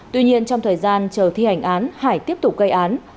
tuy nhiên trong thời gian chờ thi hành án hải tiếp tục gây án